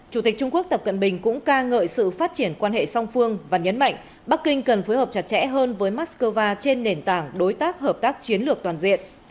chủ tịch trung quốc tập cận bình cũng ca ngợi sự phát triển quan hệ song phương và nhấn mạnh bắc kinh cần phối hợp chặt chẽ hơn với moscow trên nền tảng đối tác hợp tác chiến lược toàn diện